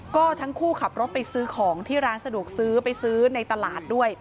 ก็ทั้งคู่ขับรถไปซื้อของที่ร้านสะดวกซื้อไปซื้อในตลาดด้วย